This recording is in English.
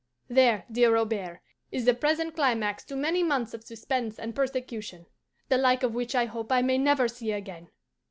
There, dear Robert, is the present climax to many months of suspense and persecution, the like of which I hope I may never see again.